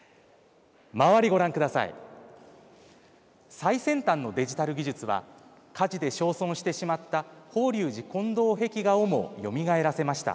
最先端のデジタル技術は火事で焼損してしまった法隆寺金堂壁画をもよみがえらせました。